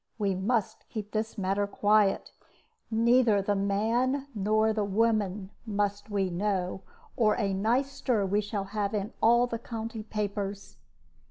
We must keep this matter quiet. Neither the man nor the woman must we know, or a nice stir we shall have in all the county papers.